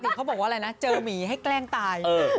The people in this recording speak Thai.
เขาบอกว่าอะไรนะเจอหมีให้แกล้งตาย